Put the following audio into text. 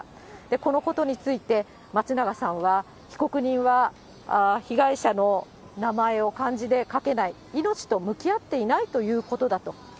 このことについて松永さんは、被告人は被害者の名前を漢字で書けない、命と向き合っていないということだと。